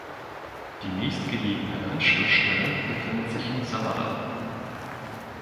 Die nächstgelegene Anschlussstelle befindet sich in Sömmerda.